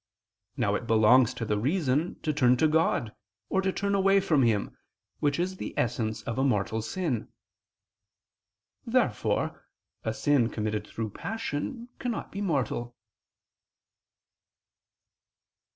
Now it belongs to the reason to turn to God, or to turn away from Him, which is the essence of a mortal sin. Therefore a sin committed through passion cannot be mortal.